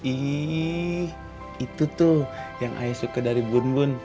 iiiih itu tuh yang ayah suka dari bun bun